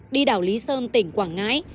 đi đảo lý sơn tỉnh quảng ngãi